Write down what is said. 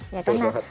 iya bener banget